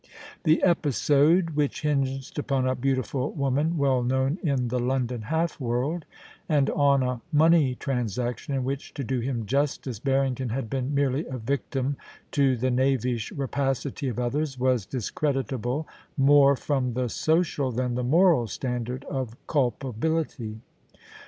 The episode, which hinged upon a beautiful woman well known in the London half world, and on a money tran saction in which, to do him justice, Barrington had been merely a victim to the knavish rapacity of others, was dis creditable more from the social than the moral standard of culpability.